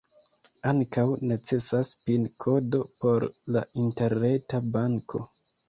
Ankaŭ necesas pin-kodo por la interreta banko.